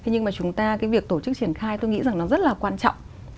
nhưng mà chúng ta cái việc tổ chức triển khai tôi nghĩ rằng nó rất là quan trọng